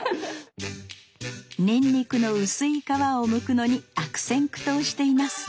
にんにくの薄い皮をむくのに悪戦苦闘しています。